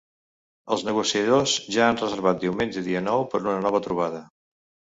Els negociadors ja han reservat diumenge, dia nou, per a una nova trobada.